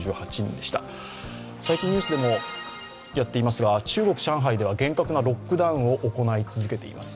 最近ニュースでもやっていますが中国・上海では厳格なロックダウンを行い続けています。